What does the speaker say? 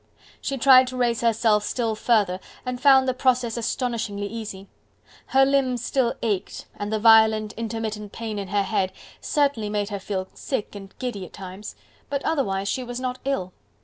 She tried to raise herself still further and found the process astonishingly easy. Her limbs still ached and the violent, intermittent pain in her head certainly made her feel sick and giddy at times, but otherwise she was not ill.